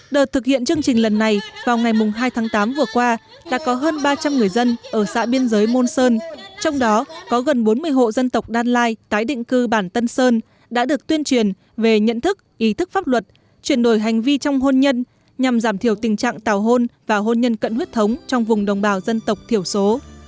đợt thực hiện chương trình lần này vào ngày hai tháng tám vừa qua đã có hơn ba trăm linh người dân ở xã biên giới môn sơn trong đó có gần bốn mươi hộ dân tộc đan lai tái định cư bản tân sơn đã được tuyên truyền về nhận thức ý thức pháp luật chuyển đổi hành vi trong hôn nhân nhằm giảm thiểu tình trạng tảo hôn và hôn nhân cận huyết thống trong vùng đồng bào dân tộc thiểu số